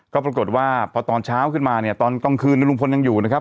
ก็ปรากฏว่าพอตอนเช้าขึ้นมาเนี่ยตอนกลางคืนลุงพลยังอยู่นะครับ